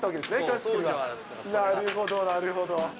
なるほどなるほど。